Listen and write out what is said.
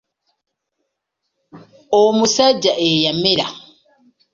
Omusajja eyamera.